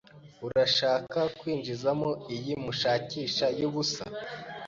Urashaka kwinjizamo iyi mushakisha yubusa?